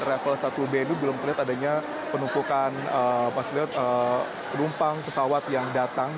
raffles satu b ini belum terlihat adanya penumpukan rumpang pesawat yang datang